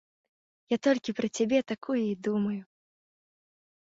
Я толькі пра цябе такую і думаю.